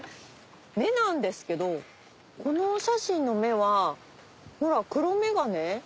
目なんですけどこのお写真の目はほら黒目がね